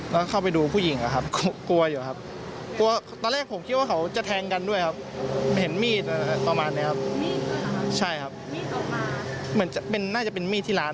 เหมือนจะเป็นน่าจะเป็นมีดที่หลาน